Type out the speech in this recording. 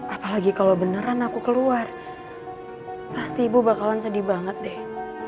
apalagi kalau beneran aku keluar pasti ibu bakalan sedih banget deh